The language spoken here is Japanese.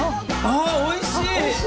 あおいしい！